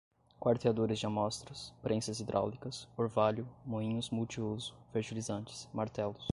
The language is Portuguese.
quarteadores de amostras, prensas hidráulicas, orvalho, moinhos multiuso, fertilizantes, martelos